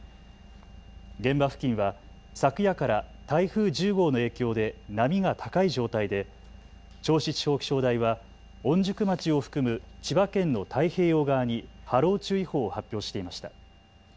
現場付近は昨夜から台風１０号の影響で波が高い状態で銚子地方気象台は御宿町を含む千葉県の太平洋側に波浪注意報を発表していました。